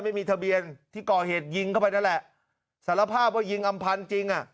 ไม่มีทะเบียนที่ก่อเหตุยิงเข้าไปนั่นแหละสารภาพว่ายิงอำพันธ์จริงอ่ะ